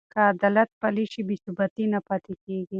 که عدالت پلی شي، بې ثباتي نه پاتې کېږي.